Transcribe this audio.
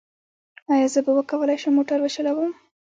ایا زه به وکولی شم موټر وچلوم؟